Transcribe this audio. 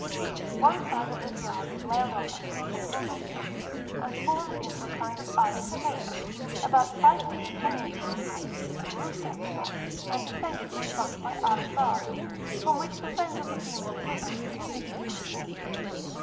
One side of this yard is railed off at a considerable distance, and formed into a kind of iron cage, about five feet ten inches in height, roofed at the top, and defended in front by iron bars, from which the friends of the female prisoners communicate with them.